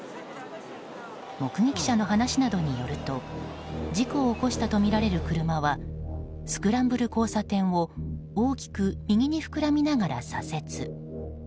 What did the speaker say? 目撃者の話などによると事故を起こしたとみられる車はスクランブル交差点を大きく右に膨らみながら左折。